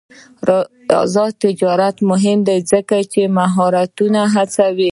آزاد تجارت مهم دی ځکه چې مهارتونه هڅوي.